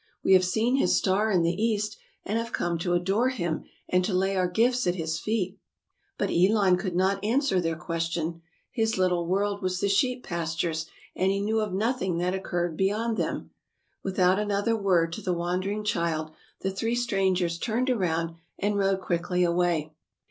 We have seen his star in the East and have come to adore him and to lay our gifts at his feet.^^ But Elon could not answer their question. His little world was the sheep pastures, and he knew of nothing that occurred beyond them. Without another word to the wondering child, the three strangers turned around and rode quickly away.